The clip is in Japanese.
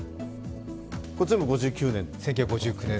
これ全部５９年？